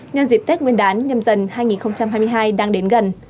nhân dịp tết nguyên đán nhân dân hai nghìn hai mươi hai đang đến gần